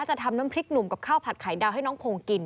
จะทำน้ำพริกหนุ่มกับข้าวผัดไข่ดาวให้น้องพงกิน